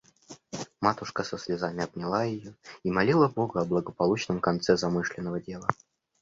Матушка со слезами обняла ее и молила бога о благополучном конце замышленного дела.